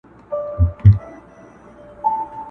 په هغه ورځ یې مرګی ورسره مل وي؛